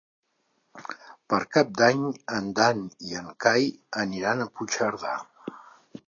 Per Cap d'Any en Dan i en Cai aniran a Puigcerdà.